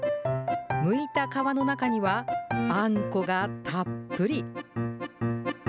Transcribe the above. むいた皮の中には、あんこがたっぷり。